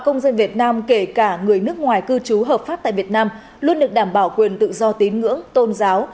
công dân việt nam kể cả người nước ngoài cư trú hợp pháp tại việt nam luôn được đảm bảo quyền tự do tín ngưỡng tôn giáo